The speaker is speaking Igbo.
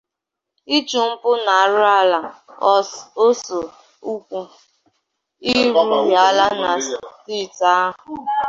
ịchụ mpụ na arụrụala ọsọ ụkwụ erughịala na steeti ahụ.